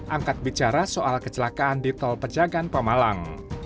angkat bicara soal kecelakaan di tol pejagan pemalang